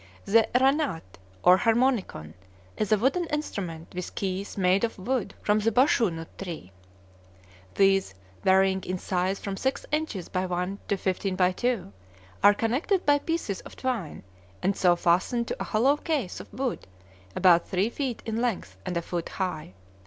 The ranat, or harmonicon, is a wooden instrument, with keys made of wood from the bashoo nut tree. These, varying in size from six inches by one to fifteen by two, are connected by pieces of twine, and so fastened to a hollow case of wood about three feet in length and a foot high.